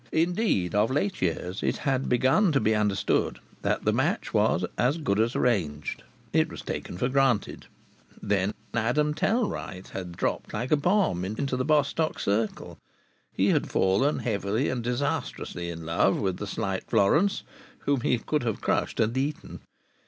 Indeed of late years it had been begun to be understood that the match was "as good as arranged." It was taken for granted. Then Adam Tellwright had dropped like a bomb into the Bostock circle. He had fallen heavily and disastrously in love with the slight Florence (whom he could have crushed and eaten).